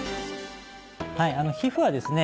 はい皮膚はですね